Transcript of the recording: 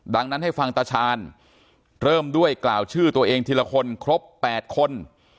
ดังนั้นให้ฟังตาชาญเริ่มด้วยกล่าวชื่อตัวเองทีละคนครบ๘คน